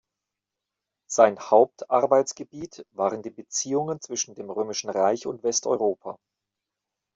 Sein Hauptarbeitsgebiet waren die Beziehungen zwischen dem römischen Reich und Westeuropa.